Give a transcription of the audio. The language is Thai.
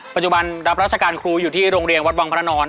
ปัจจุบันรับราชการครูอยู่ที่โรงเรียนวัดวังพระนอน